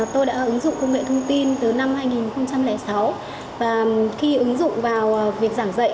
tôi đã ứng dụng công nghệ thông tin từ năm hai nghìn sáu và khi ứng dụng vào việc giảng dạy